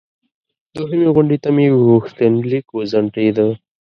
دوهمې غونډې ته مې غوښتنلیک وځنډیده.